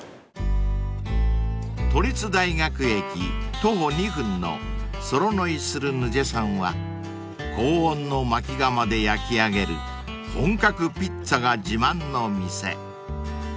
［都立大学駅徒歩２分のＳＯＬＯＮＯＩｓｕｌｎｕｊｅさんは高温のまき窯で焼き上げる本格ピッツァが自慢の店］